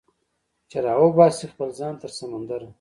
چې راوباسي خپل ځان تر سمندره